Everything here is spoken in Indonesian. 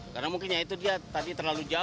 karena mungkin itu dia terlalu jauh